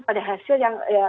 pada hasil yang